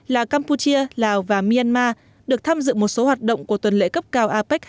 là campuchia lào và myanmar được tham dự một số hoạt động của tuần lễ cấp cao apec hai nghìn một mươi bảy